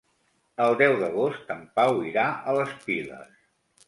El deu d'agost en Pau irà a les Piles.